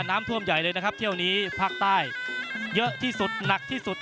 น้ำท่วมใหญ่เลยนะครับเที่ยวนี้ภาคใต้เยอะที่สุดหนักที่สุด